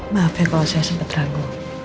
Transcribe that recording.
maaf ya kalau saya sempat ragu